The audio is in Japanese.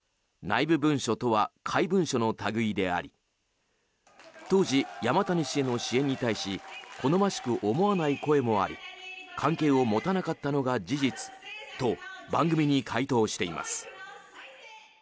文書の中で支援をしたとされる教団の友好団体は内部文書とは怪文書の類いであり当時、山谷氏への支援に対し好ましく思わない声もあり関係を持たなかったのが事実と番組に回答しています。